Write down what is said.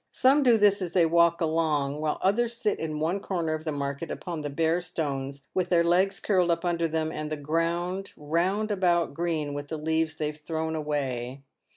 Some do this as they walk along, while others sit in one corner of the market upon the bare stones, with their legs curled up under them, and the ground round about green with the leaves they have thrown away.